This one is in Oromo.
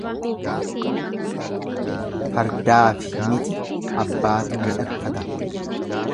Fardaafi niti abbaatu midhagfata.